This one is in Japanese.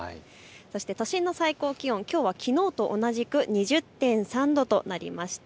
都心の最高気温、きょうはきのうと同じく２０．３度となりました。